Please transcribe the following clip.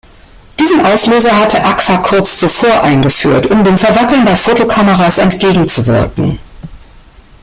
Diesen Auslöser hatte Agfa kurz zuvor eingeführt, um dem Verwackeln bei Fotokameras entgegenzuwirken.